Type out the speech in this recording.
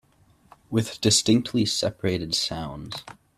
With distinctly separated sounds